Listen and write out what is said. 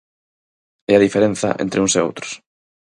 É a diferenza entre uns e outros.